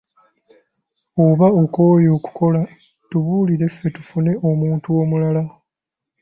Oba okooye okukola tubuulire ffe tufune omuntu omulala.